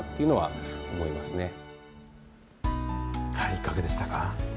いかがでしたか。